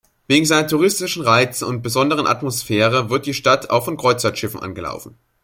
Wegen seiner touristischen Reize und besonderen Atmosphäre wird die Stadt auch von Kreuzfahrtschiffen angelaufen.